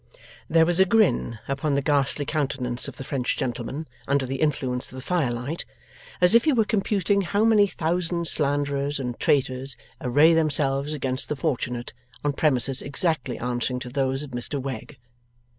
There was a grin upon the ghastly countenance of the French gentleman under the influence of the firelight, as if he were computing how many thousand slanderers and traitors array themselves against the fortunate, on premises exactly answering to those of Mr Wegg.